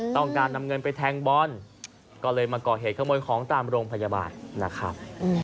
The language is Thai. ต้องการนำเงินไปแทงบอลก็เลยมาก่อเหตุขโมยของตามโรงพยาบาลนะครับ